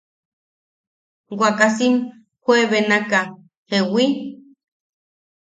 Wakasim juebenaka ¿jewi?